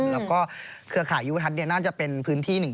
แล้วก็เครือข่ายยุทัศน์น่าจะเป็นพื้นที่หนึ่ง